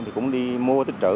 thì cũng đi mua tích trữ